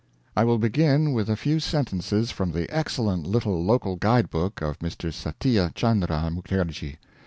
I will begin with a few sentences from the excellent little local guide book of Mr. Satya Chandra Mukerji.